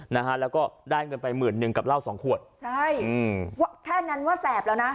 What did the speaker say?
นะฮะแล้วก็ได้เงินไปหมื่นหนึ่งกับเหล้าสองขวดใช่อืมว่าแค่นั้นว่าแสบแล้วนะ